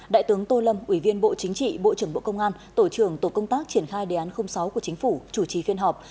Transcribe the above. đại tướng tô lâm ủy viên bộ chính trị bộ trưởng bộ công an tổ trưởng tổ công tác triển khai đề án sáu của chính phủ chủ trì phiên họp